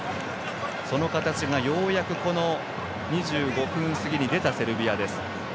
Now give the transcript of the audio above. その形がようやく２５分過ぎに出たセルビアです。